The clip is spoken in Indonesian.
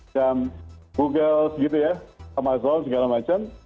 seperti google gitu ya amazon segala macam